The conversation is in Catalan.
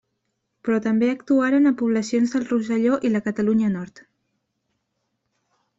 Però també actuaren a poblacions del Rosselló i la Catalunya Nord.